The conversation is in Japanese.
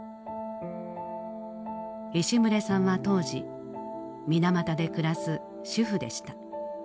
石牟礼さんは当時水俣で暮らす主婦でした。